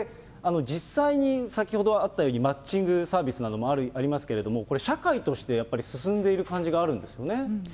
実際に先ほどあったように、マッチングサービスなどもありますけれども、これ、社会としてやっぱり進んでいる感じがあるんですね。